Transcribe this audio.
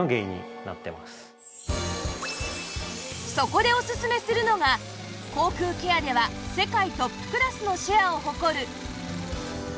そこでおすすめするのが口腔ケアでは世界トップクラスのシェアを誇る